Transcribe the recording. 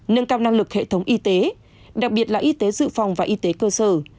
nâng cao năng lực hệ thống y tế đặc biệt là y tế dự phòng và y tế cơ sở